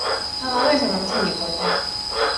他们为什么去你国家？